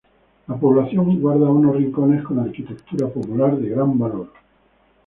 La población guarda unos rincones con arquitectura popular de gran valor.